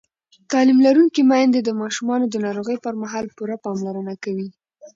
تعلیم لرونکې میندې د ماشومانو د ناروغۍ پر مهال پوره پاملرنه کوي.